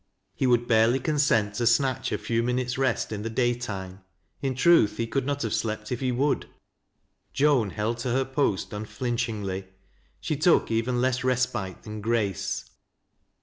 He would barely consent to snatch a few minutes' rest in the day time ; in truth, he could not have slept if he would. Joan held to her post unflinch ingly. She took even less respite than Grace.